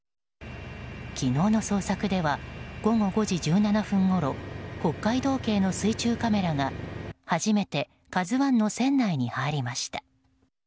昨日の捜索では午後５時１７分ごろ北海道警の水中カメラが初めて「ＫＡＺＵ１」の船内に入りました。